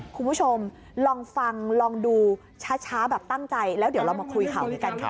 คุณผู้ชมลองฟังลองดูช้าแบบตั้งใจแล้วเดี๋ยวเรามาคุยข่าวนี้กันค่ะ